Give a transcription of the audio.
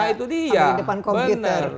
nah itu dia benar